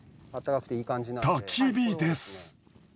たき火です。